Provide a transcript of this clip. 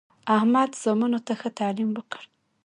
احمد زامنو ته ښه تعلیم وکړ.